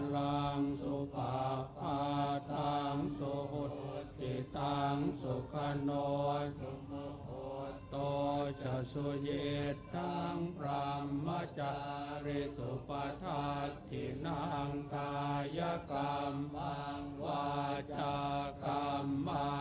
คารังสุภาพะธังสุ฻ุทธิตังสุขโนสุโโ฼ตโตจะสุยิตทั้งพรามจาริสุปธักทินังทายกำวัจกำ